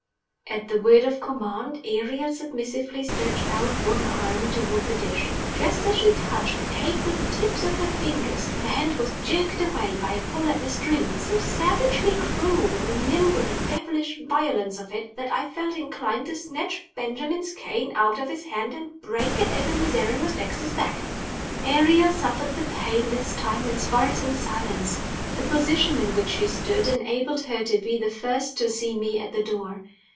At the word of command, Ariel submissively stretched out one arm toward the dish. Just as she touched a cake with the tips of her fingers her hand was jerked away by a pull at the string, so savagely cruel in the nimble and devilish violence of it that I felt inclined to snatch Benjamin's cane out of his hand and break it over Miserrimus Dexter's back. Ariel suffered the pain this time in Spartan silence. The position in which she stood enabled her to be the first to see me at the door.